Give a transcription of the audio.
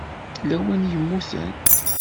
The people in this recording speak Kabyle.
yella win i yemmuten?